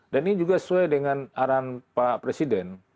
dan ini juga sesuai dengan arahan pak presiden